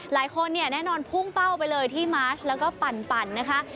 หลายคนเนี่ยแน่นอนพุ่งเป้าไปเลยที่มาร์ชแล้วก็ปั่นนะคะ